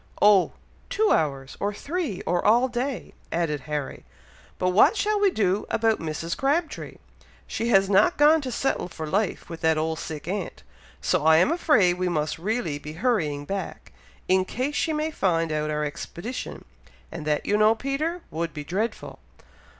"Oh! two hours, or three, or all day," added Harry. "But what shall we do about Mrs. Crabtree? She has not gone to settle for life with that old sick aunt, so I am afraid we must really be hurrying back, in case she may find out our expedition, and that, you know, Peter, would be dreadful!"